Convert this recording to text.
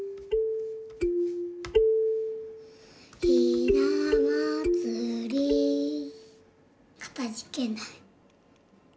「ひなまつり」かたじけない。